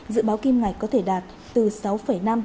dự báo kim ngạch có thể đạt từ sáu năm đến bảy triệu tấn